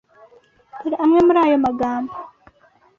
Dore amwe muri ayo magambo